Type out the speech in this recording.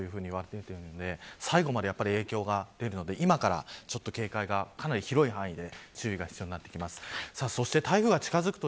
台風は波に始まり波に終わるというふうに言われているので最後まで影響が出るので、今から警戒がかなり広い範囲で注意が必要になってきます。